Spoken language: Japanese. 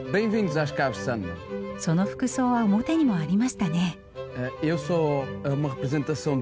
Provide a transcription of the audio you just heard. その服装は表にもありましたね。